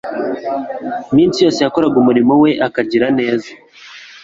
Iminsi yose yakoraga umurimo we akagira neza,